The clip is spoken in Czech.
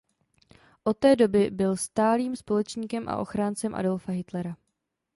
Od té doby byl stálým společníkem a ochráncem Adolfa Hitlera.